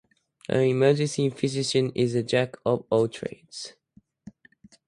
An emergency physician is a "Jack of all trades".